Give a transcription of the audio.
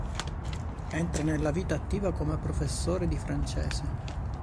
Entra nella vita attiva come professore di francese.